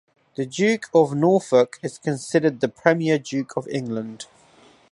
The Duke of Norfolk is considered the Premier Duke of England.